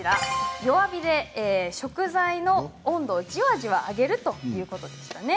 弱火で食材の温度をジワジワ上げるということでしたね。